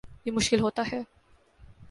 یہ مشکل ہوتا ہے